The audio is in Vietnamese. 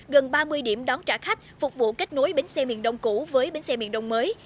gần ba mươi điểm đón trả khách phục vụ kết nối bến xe miền đông cũ với bến xe miền đông mới